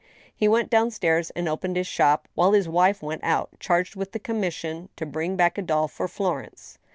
He went down stairs and opened his shop, while his wife went out, charged with a commission to bring back a doll for Florence.